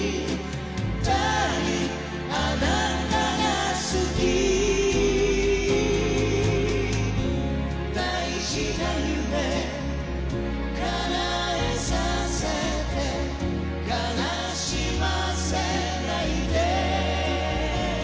「ダーリンあなたが好き」「大事な夢かなえさせて」「悲しませないで」